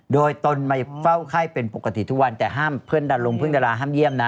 โดยตนมาเฝ้าไข้เป็นปกติทุกวันแต่ห้ามเพื่อนดารงเพื่อนดาราห้ามเยี่ยมนะ